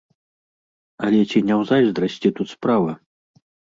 Але ці не ў зайздрасці тут справа?